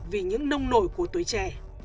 vì những nông nổi của tuổi trẻ